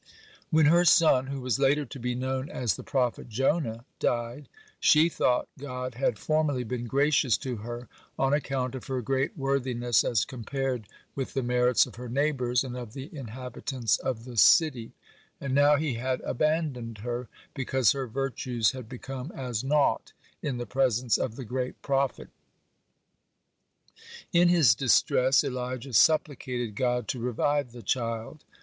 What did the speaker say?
When her son, who was later to be known as the prophet Jonah, (9) died, she thought God had formerly been gracious to her on account of her great worthiness as compared with the merits of her neighbors and of the inhabitants of the city, and now He had abandoned her, because her virtues had become as naught in the presence of the great prophet. (10) In his distress Elijah supplicated God to revive the child.